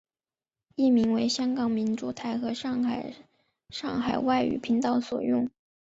译名为香港明珠台和上海上海外语频道所用。